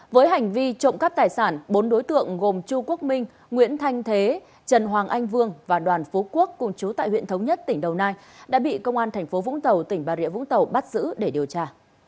với hành vi trộm cắp tài sản bốn đối tượng gồm chu quốc minh nguyễn thanh thế trần hoàng anh vương và đoàn phú quốc cùng chú tại huyện thống nhất tỉnh đồng nai đã bị công an tp vũng tàu tỉnh bà rịa vũng tàu bắt giữ để điều tra